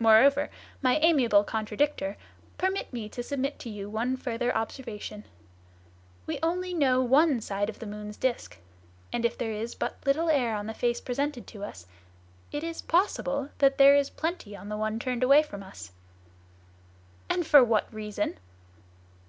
Moreover, my amiable contradictor, permit me to submit to you one further observation. We only know one side of the moon's disc; and if there is but little air on the face presented to us, it is possible that there is plenty on the one turned away from us." "And for what reason?"